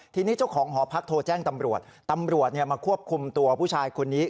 ทีนี้เจ้าของหอพักโทรแจ้งตำรวจตำรวจมาควบคุมตัวผู้ชายคนนี้